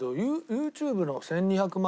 ＹｏｕＴｕｂｅの１２００万。